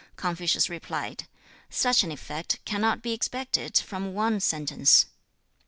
Confucius replied, 'Such an effect cannot be expected from one sentence. 幾也.